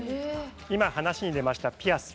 今、話に出ました、ピアス。